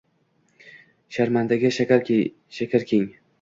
Sharmandaga shahar keng.